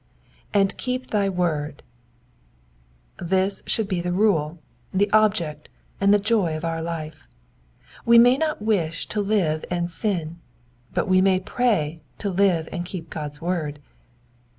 ''^And keep thy toord,''^ This should be the rule, the object, and the joy of our life. We may not wish to live and sin ; but we may pray to live and keep God's word.